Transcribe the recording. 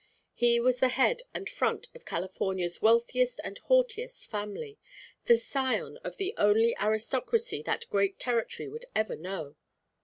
He was the head and front of California's wealthiest and haughtiest family, the scion of the only aristocracy that great territory would ever know.